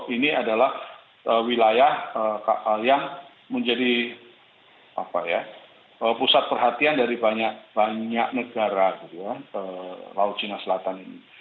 ini adalah wilayah yang menjadi pusat perhatian dari banyak negara laut cina selatan ini